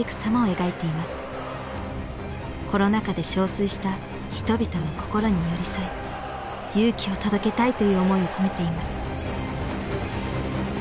コロナ禍で憔悴した人々の心に寄り添い勇気を届けたいという思いを込めています。